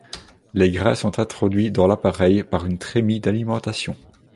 Les grains sont introduits dans l'appareil par une trémie d'alimentation.